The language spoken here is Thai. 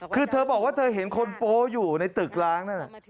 คือเธอบอกว่าเธอเห็นคนโป๊อยู่ในตึกล้างนั่น